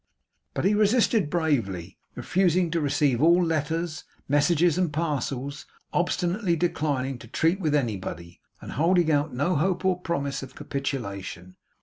But he resisted bravely; refusing to receive all letters, messages, and parcels; obstinately declining to treat with anybody; and holding out no hope or promise of capitulation.